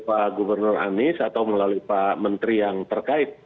pak gubernur anies atau melalui pak menteri yang terkait